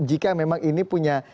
jika memang ini punya